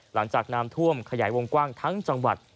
หลังจากน้ำท่วมขยายวงกว้างทั้งจังหวัด